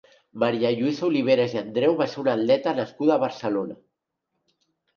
Maria Lluïsa Oliveras i Andreu va ser una atleta nascuda a Barcelona.